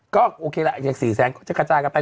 ก็โอเคแหละ๔๐๐๐๐๐ก็จะกระจายกันไป